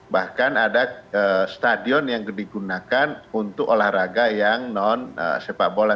bahkan ada stadion yang digunakan untuk olahraga yang non sepak bola